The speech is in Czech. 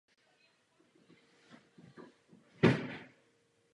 Je to nejlépe přístupná velká jeskyně na Slovensku.